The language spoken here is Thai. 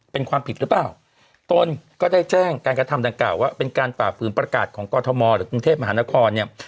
เป็นความผิดหรือเปล่าตนก็ได้แจ้งการกระทำดังกล่าวว่าเป็นการฝ่าฝืนประกาศของกรทมหรือกรุงเทพมหานครเนี่ย